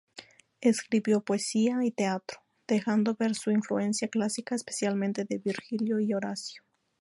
Escribió poesía y teatro, dejando ver su influencia clásica especialmente de Virgilio y Horacio.